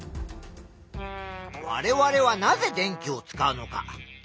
われわれはなぜ電気を使うのか？